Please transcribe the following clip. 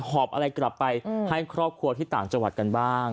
หอบอะไรกลับไปให้ครอบครัวที่ต่างจังหวัดกันบ้าง